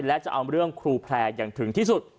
และจะเอาเรื่องครูแพร่อย่างถึงที่สุด